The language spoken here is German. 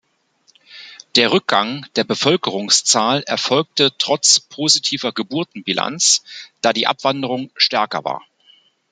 Der Rückgang der Bevölkerungszahl erfolgte trotz positiver Geburtenbilanz, da die Abwanderung stärker war.